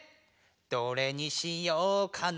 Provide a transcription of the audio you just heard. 「どれにしようかな」